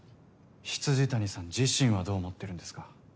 未谷さん自身はどう思ってるんですか？